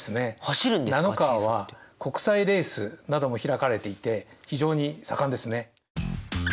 ナノカーは国際レースなども開かれていて非常に盛んですね。